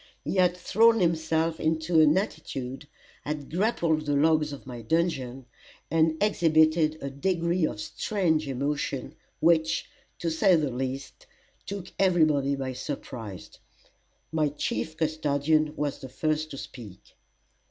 He had thrown himself into an attitude, had grappled the logs of my dungeon, and exhibited a degree of strange emotion, which, to say the least, took everybody by surprise. My chief custodian was the first to speak.